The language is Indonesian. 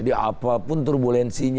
jadi apapun turbulensinya